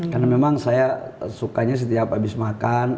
karena memang saya sukanya setiap habis makan